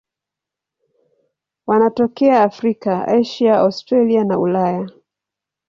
Wanatokea Afrika, Asia, Australia na Ulaya.